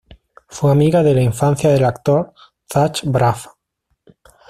Fue amiga de la infancia del actor Zach Braff.